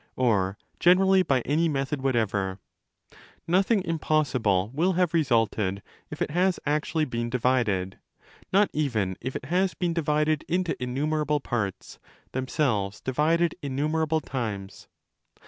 or generally by any method whatever: nothing impossible will have resulted if it has actually been divided— not even if it has been divided into innumerable parts, themselves divided innumerable times.